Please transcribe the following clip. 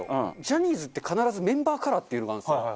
ジャニーズって必ずメンバーカラーっていうのがあるんですよ。